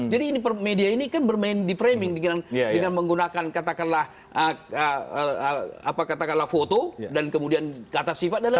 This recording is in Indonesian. jadi media ini kan bermain di framing dengan menggunakan katakanlah foto dan kemudian kata sifat adalah